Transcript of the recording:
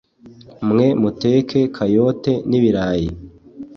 mwe muteke kayote n'ibirayi